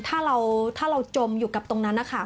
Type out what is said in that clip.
ถ้าเราจมอยู่กับตรงนั้นนะคะ